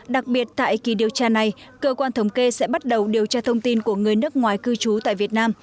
đặc biệt tại kỳ điều tra này cơ quan thống kê sẽ bắt đầu điều tra thông tin của người nước ngoài cư trú tại việt nam